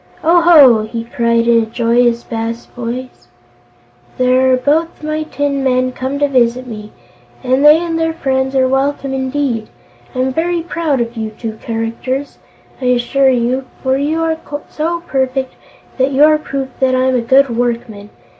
"Oh ho!" he cried in a joyous bass voice; "here are both my tin men come to visit me, and they and their friends are welcome indeed. I'm very proud of you two characters, I assure you, for you are so perfect that you are proof that I'm a good workman.